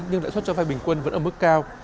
nhưng lãi suất cho vay bình quân vẫn ở mức cao